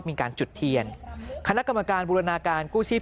มีการจุดเทียนคณะกรรมการบูรณาการกู้ชีพ